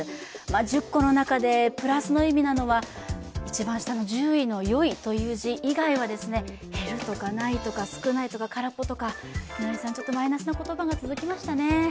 １０個のなかでプラスの意味なのは１０位の「良」のほかは減るとか無いとか少ないとか空っぽとか、マイナスな言葉が続きましたね。